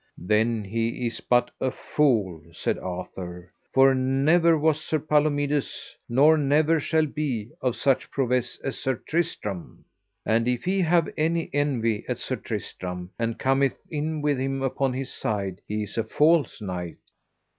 Then is he but a fool, said Arthur, for never was Sir Palomides, nor never shall be, of such prowess as Sir Tristram. And if he have any envy at Sir Tristram, and cometh in with him upon his side he is a false knight.